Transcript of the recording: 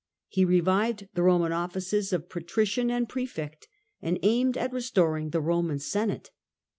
He re vived the Eoman offices of Patrician and Prefect, and aimed at restoring the Eoman Senate.